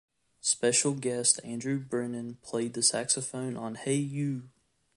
Special guest Andrew Brennan played the saxophone on Hey You!!!